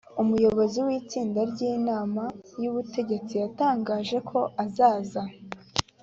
umuyobozi w itsinda ry inama y ubutegesi yatangaje ko azaza